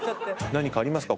何かありますか？